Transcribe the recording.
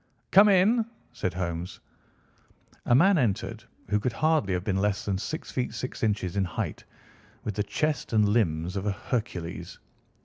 "Come in!" said Holmes. A man entered who could hardly have been less than six feet six inches in height, with the chest and limbs of a Hercules.